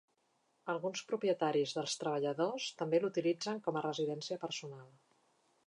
Alguns propietaris dels treballadors també l'utilitzen com a residència personal.